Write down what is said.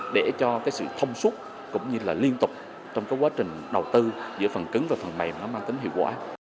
để cho cái sự thông suốt cũng như là liên tục trong cái quá trình đầu tư giữa phần cứng và phần mềm nó mang tính hiệu quả